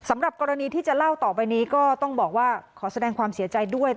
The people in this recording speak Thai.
สำหรับกรณีที่จะเล่าต่อไปนี้ก็ต้องบอกว่าขอแสดงความเสียใจด้วย